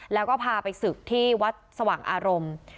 แล้วก็พาไปศึกที่วัดสว่างอารมณ์